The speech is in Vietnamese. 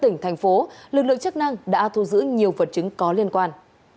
tỉnh thành phố lực lượng chức năng đã thu giữ nhiều vật chứng có liên quan